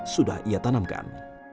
sudah ia tanamkan